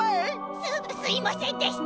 すすいませんでした。